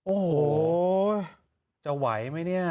โอ้โหจะไหวไหมเนี่ย